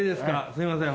すいません。